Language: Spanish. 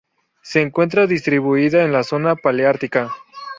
Se encuentra distribuida en la zona paleártica.